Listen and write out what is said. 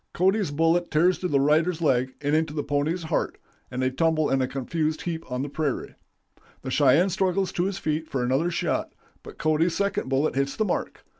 Cody's bullet tears through the rider's leg into the pony's heart, and they tumble in a confused heap on the prairie. The Cheyenne struggles to his feet for another shot, but Cody's second bullet hits the mark.